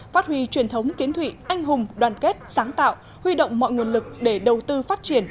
phát huy truyền thống kiến thụy anh hùng đoàn kết sáng tạo huy động mọi nguồn lực để đầu tư phát triển